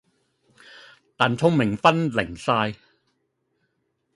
但聰明分零晒